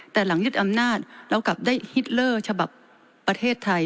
แต่หลังยึดอำนาจเรากลับได้ฮิตเลอร์ฉบับประเทศไทย